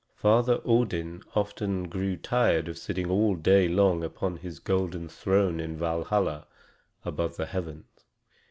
Father Odin often grew tired of sitting all day long upon his golden throne in Valhalla above the heavens.